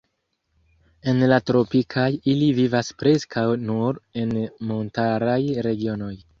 En la tropikoj ili vivas preskaŭ nur en montaraj regionoj.